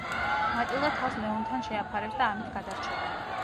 მატილდა თავს ლეონთან შეაფარებს და ამით გადარჩება.